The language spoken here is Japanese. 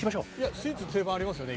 スイーツ定番ありますよね。